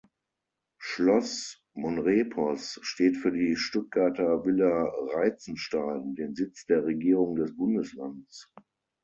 Schloss Monrepos steht für die Stuttgarter Villa Reitzenstein, den Sitz der Regierung des Bundeslands.